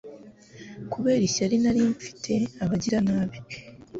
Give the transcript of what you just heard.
kubera ishyari nari mfitiye abagiranabi